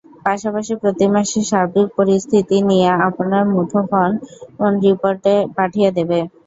পাশাপাশি প্রতি মাসের সার্বিক পরিস্থিতি নিয়ে আপনার মুঠোফোনে রিপোর্ট পাঠিয়ে দেবে।